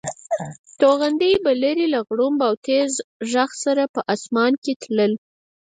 توغندي به لرې له غړومب او تېز غږ سره په اسمان کې تلل.